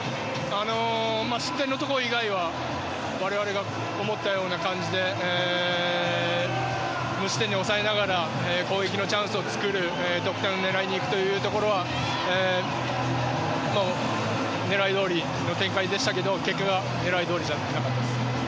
失点のところ以外は我々が思ったような感じで無失点に抑えながら攻撃のチャンスを作る得点を狙いに行くというところは狙いどおりの展開でしたけど結局狙いどおりじゃなかったです。